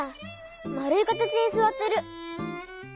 まるいかたちにすわってる。